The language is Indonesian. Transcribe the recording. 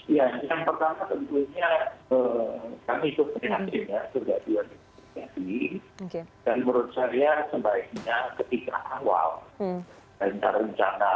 iya yang pertama tentunya kami itu penerima kejadian